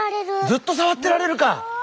ずっとさわってられるか！